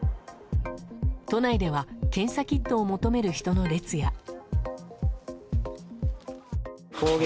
都内では検査キットを求める人の列や。